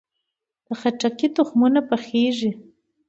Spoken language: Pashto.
د خربوزې تخمونه پخیږي.